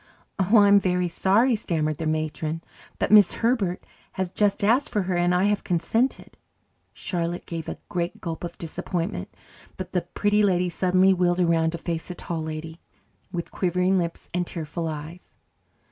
"Oh, I'm very sorry," stammered the matron, "but Miss Herbert has just asked for her, and I have consented." Charlotte gave a great gulp of disappointment, but the Pretty Lady suddenly wheeled around to face the Tall Lady, with quivering lips and tearful eyes.